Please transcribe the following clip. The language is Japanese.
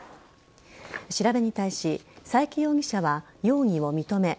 調べに対し佐伯容疑者は容疑を認め